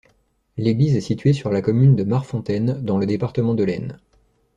L'église est située sur la commune de Marfontaine, dans le département de l'Aisne.